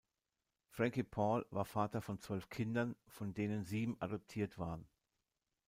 Frankie Paul war Vater von zwölf Kindern, von denen sieben adoptiert waren.